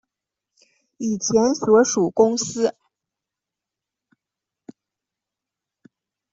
以前所属公司